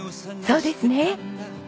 そうですね。